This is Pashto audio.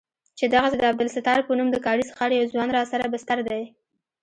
چې دغسې د عبدالستار په نوم د کارېز ښار يو ځوان راسره بستر دى.